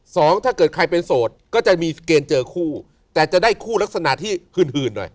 ถ้าเกิดใครเป็นโสดก็จะมีเกณฑ์เจอคู่แต่จะได้คู่ลักษณะที่หื่นหน่อย